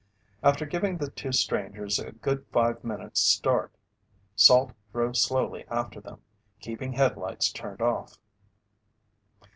After giving the two strangers a good five minutes start, Salt drove slowly after them, keeping headlights turned off.